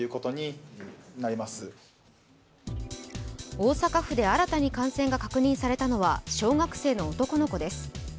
大阪府で新たに感染が確認されたのは小学生の男の子です。